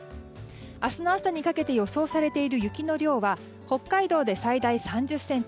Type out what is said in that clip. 明日の朝にかけて予想されている雪の量は北海道で最大３０ｃｍ